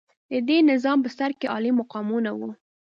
د دې نظام په سر کې عالي مقامونه وو.